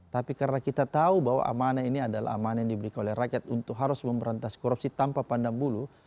tapi karena kita tahu bahwa amanah ini adalah amanah yang diberikan oleh rakyat untuk harus memberantas korupsi tanpa pandang bulu